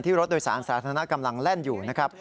รถโดยสารสาธารณะกำลังแล่นอยู่นะครับ